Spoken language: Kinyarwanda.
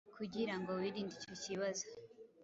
kugira ngo wirinde icyo kibazo